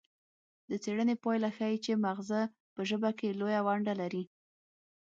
د څیړنې پایله ښيي چې مغزه په ژبه کې لویه ونډه لري